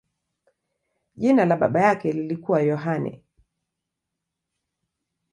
Jina la baba yake lilikuwa Yohane.